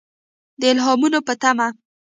د الهامونو په تمه.